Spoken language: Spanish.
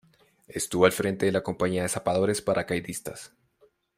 Estuvo al frente de la Compañía de Zapadores Paracaidistas.